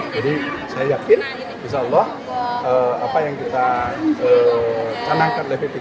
jadi saya yakin insya allah apa yang kita tanahkan level tiga